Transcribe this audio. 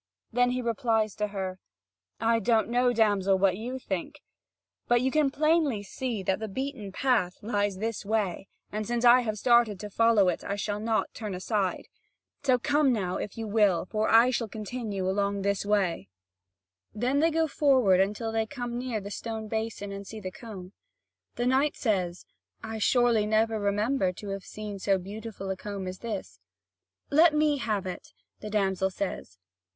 Then he replies to her: "I don't know, damsel, what you think; but you can plainly see that the beaten path lies this way; and since I have started to follow it, I shall not turn aside. So come now, if you will, for I shall continue along this way." Then they go forward until they come near the stone basin and see the comb. The knight says: "I surely never remember to have seen so beautiful a comb as this." "Let me have it," the damsel says.